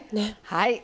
はい。